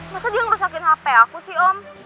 masa dia ngerusakin hp aku sih om